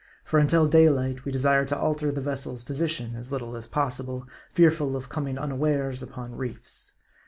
For until daylight we desired to alter the vessel's position as little as possible, fearful of coming unawares upon reefs.